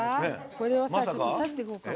これをさしていこうか。